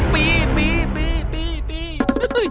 ปีปีปีปี